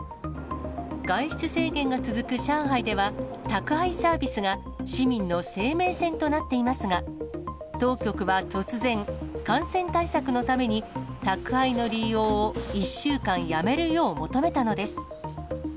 外出制限が続く上海では、宅配サービスが市民の生命線となっていますが、当局は突然、感染対策のために、宅配の利用を１週間やめるよう求めたのです。